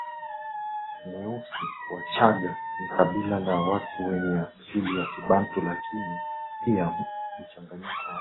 mweusiWachagga ni kabila la watu wenye asili ya Kibantu lakini pia mchanganyiko wa